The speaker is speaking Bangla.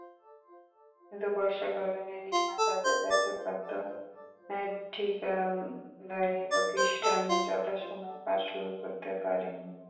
কিন্তু বর্ষার কারণে নির্মাণকাজের দায়িত্বপ্রাপ্ত ঠিকাদারি প্রতিষ্ঠান যথাসময়ে কাজ শুরু করতে পারেনি।